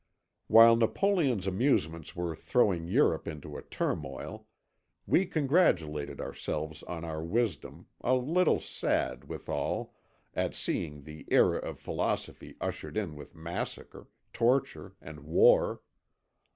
"While Napoleon's amusements were throwing Europe into a turmoil, we congratulated ourselves on our wisdom, a little sad, withal, at seeing the era of philosophy ushered in with massacre, torture, and war.